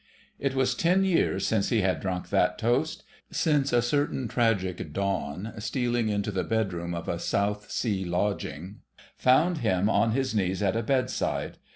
It was ten years since he had drunk that toast: since a certain tragic dawn, stealing into the bedroom of a Southsea lodging, found him on his knees at a bedside....